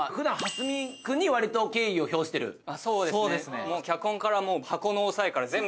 そうですね。